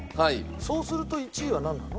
そうすると１位はなんなの？